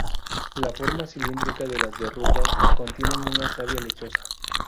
La forma cilíndrica de las verrugas contienen una savia lechosa.